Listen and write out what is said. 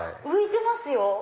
浮いてますよ？